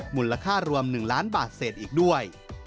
มูลค่ารวม๑ล้านบาทเศษอีกด้วย